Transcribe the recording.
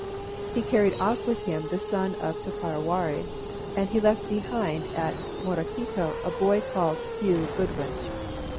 He carried off with him the son of Topiawari, and he left behind at Morequito a boy called Hugh Goodwin.